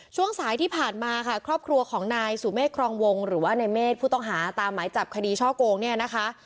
ช่วงสายที่ผ่านมาค่ะครอบครัวของนายสุเมฆครองวงหรือว่าในเมฆผู้ต้องหาตามหมายจับคดีช่อโกงเนี่ยนะคะ